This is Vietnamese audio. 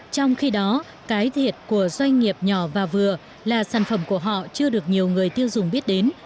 trong khi đó cái thiệt của doanh nghiệp nhỏ và vừa là sản phẩm của họ chưa được nhiều người tiêu dùng biết đến